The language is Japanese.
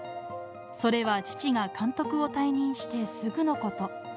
それは父が監督を退任してすぐのこと。